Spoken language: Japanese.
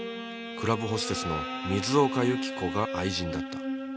クラブホステスの水岡由紀子が愛人だった